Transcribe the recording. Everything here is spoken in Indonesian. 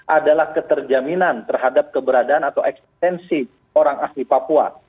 adalah keterjaminan terhadap keberadaan atau eksistensi orang asli papua